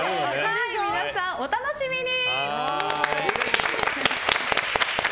皆さんお楽しみに！